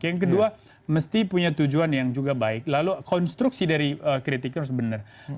yang kedua mesti punya tujuan yang juga baik lalu konstruksi dari kritiknya harus benar